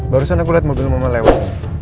barusan aku lihat mobil mama lewat